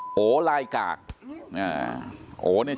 โหลายกากครับ